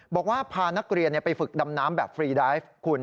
บอกว่าพานักเรียนไปฝึกดำน้ำแบบฟรีไดฟ์คุณ